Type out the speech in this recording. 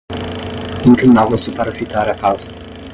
E inclinava-se para fitar a casa...